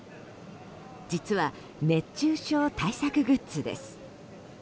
実は熱中症対策グッズです。